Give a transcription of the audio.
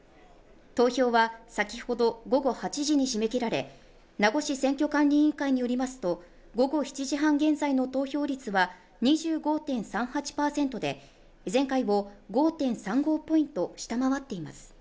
投票は先ほど午後８時に締め切られ名護市選挙管理委員会によりますと午後７時半現在の投票率は２５．３８％で前回を５．３５ポイント下回っています。